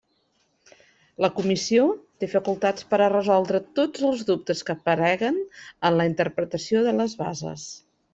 La Comissió té facultats per a resoldre tots els dubtes que apareguen en la interpretació de les bases.